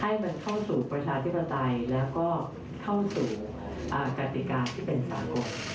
ให้เข้าสู่ประชาธิบดัติและก็เข้ากติกาที่เป็นสามกน